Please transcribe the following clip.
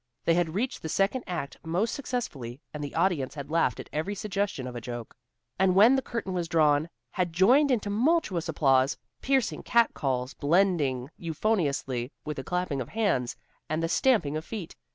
They had reached the second act most successfully, and the audience had laughed at every suggestion of a joke, and when the curtain was drawn, had joined in tumultuous applause, piercing cat calls blending euphoniously with the clapping of hands, and the stamping of feet.